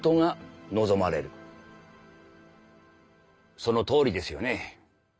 そのとおりですよね。